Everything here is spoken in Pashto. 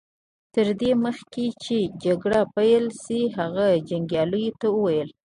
تر دې مخکې چې جګړه پيل شي هغه جنګياليو ته وويل.